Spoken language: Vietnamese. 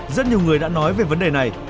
rất nhiều người đã nói về vấn đề này